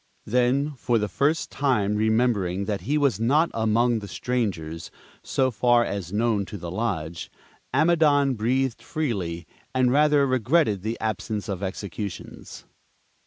Then, for the first time remembering that he was not among the strangers, so far as known to the lodge, Amidon breathed freely, and rather regretted the absence of executions.